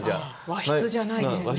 和室じゃないですよね。